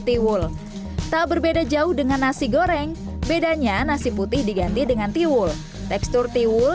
tiwul tak berbeda jauh dengan nasi goreng bedanya nasi putih diganti dengan tiwul tekstur tiwul